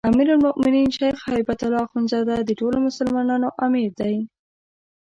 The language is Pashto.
امیرالمؤمنین شيخ هبة الله اخوندزاده د ټولو مسلمانانو امیر دی